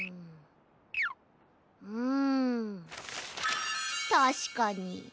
うんたしかに。